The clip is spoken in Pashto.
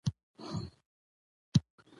او د دې راټولو زموږ ملي مسوليت دى.